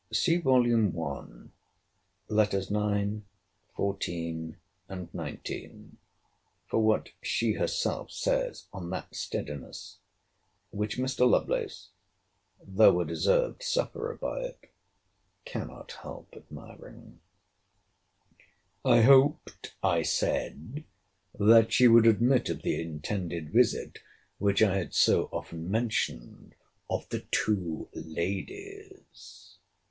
* See Vol. I. Letters IX. XIV. and XIX. for what she herself says on that steadiness which Mr. Lovelace, though a deserved sufferer by it, cannot help admiring. I hoped, I said, that she would admit of the intended visit, which I had so often mentioned, of the two ladies.